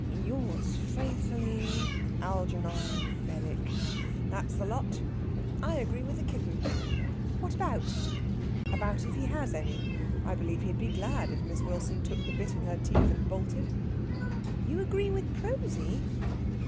"Yours faithfully, Algernon Fenwick. That's the lot! I agree with the kitten." "What about?" "About if he has any. I believe he'd be glad if Miss Wilson took the bit in her teeth and bolted." "You agree with Prosy?"